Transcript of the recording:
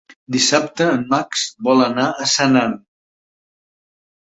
Dissabte en Max vol anar a Senan.